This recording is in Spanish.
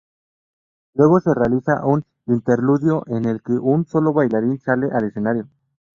Luego se realiza un interludio en el que un solo bailarín sale al escenario.